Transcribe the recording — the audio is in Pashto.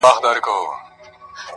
زما د ښار ځوان.